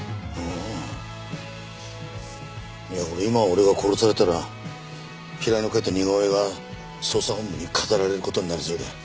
いや今俺が殺されたら平井の描いた似顔絵が捜査本部に飾られる事になりそうで嫌だ！